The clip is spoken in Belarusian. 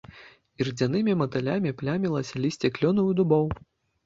Ірдзянымі матылямі плямілася лісцё клёнаў і дубоў.